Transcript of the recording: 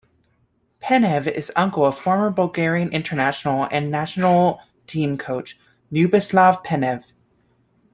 Penev is uncle of former Bulgarian international and national team coach Lyuboslav Penev.